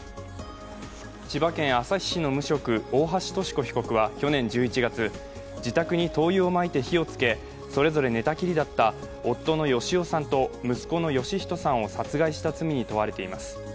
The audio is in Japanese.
千葉県旭市の無職、大橋とし子被告は去年１１月、自宅に灯油をまいて火をつけ、それぞれ寝たきりだった夫の芳男さんと息子の芳人さんを殺害した罪に問われています。